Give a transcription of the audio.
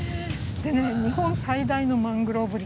日本最大のマングローブ林。